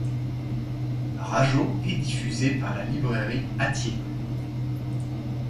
Rageot et diffusées par la Librairie Hatier.